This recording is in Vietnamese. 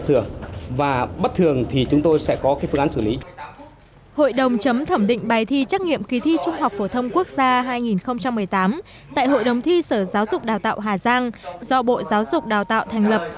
tại hội đồng thi sở giáo dục đào tạo hà giang do bộ giáo dục đào tạo thành lập